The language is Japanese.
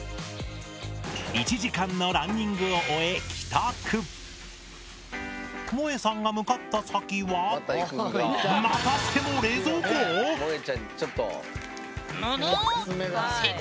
１時間のランニングを終えもえさんが向かった先はまたしてもぬぬっ⁉